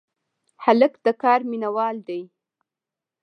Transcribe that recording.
هلک د کار مینه وال دی.